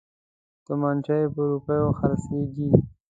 توپنچه په روپیو خرڅیږي.